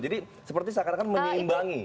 jadi seperti seakan akan menyeimbangi